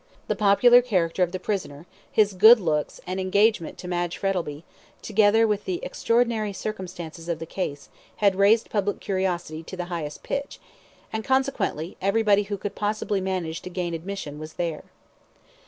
The popular character of the prisoner, his good looks, and engagement to Madge Frettlby, together with the extraordinary circumstances of the case, had raised public curiosity to the highest pitch, and, consequently, everybody who could possibly manage to gain admission was there.